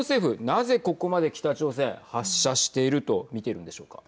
なぜ、ここまで北朝鮮発射していると見ているんでしょうか。